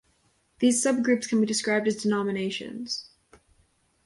These subgroups can be described as denominations.